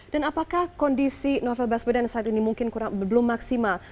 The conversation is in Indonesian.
dan apakah kondisi novel baswedan saat ini mungkin belum maksimal